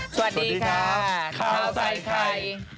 สวัสดีค่ะข้าวใส่ไข่